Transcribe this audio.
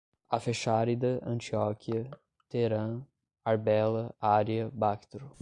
Afexárida, Antioquia, Teerã, Arbela, Ária, Bactro